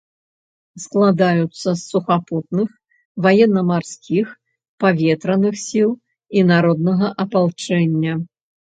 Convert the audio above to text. Складаюцца з сухапутных, ваенна-марскіх, паветраных сіл і народнага апалчэння.